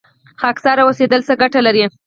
خاکسار اوسیدل څه ګټه لري؟